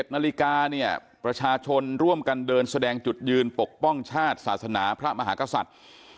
๑นาฬิกาเนี่ยประชาชนร่วมกันเดินแสดงจุดยืนปกป้องชาติศาสนาพระมหากษัตริย์